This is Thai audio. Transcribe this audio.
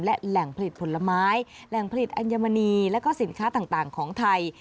และแหล่งผลิตผลไม้แหล่งผลิตอัญมณีและก็สินค้าต่างของไทย